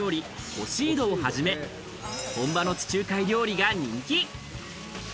コシードをはじめ、本場の地中海料理が人気。